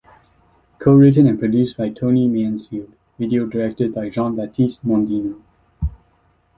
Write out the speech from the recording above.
Co-written and produced by Tony Mansfield, video directed by Jean-Baptiste Mondino.